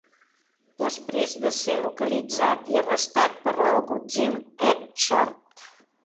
Després de ser localitzat i arrestat per l'algutzir Ed Short.